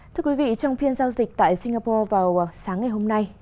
thưa quý vị trong phiên giao dịch tại singapore vào sáng ngày hôm nay